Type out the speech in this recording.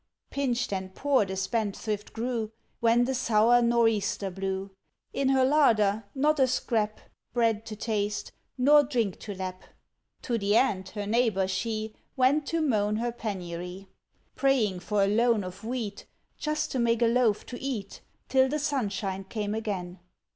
Pinched and poor the spendthrift grew, When the sour north easter blew. In her larder not a scrap, Bread to taste, nor drink to lap. To the Ant, her neighbour, she Went to moan her penury, Praying for a loan of wheat, Just to make a loaf to eat, Till the sunshine came again.